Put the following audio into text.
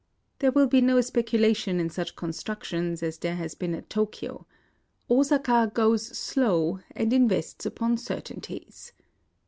There will be no specu lation in such constructions, as there has been at Tokyo : Osaka " goes slow " and invests upon certainties.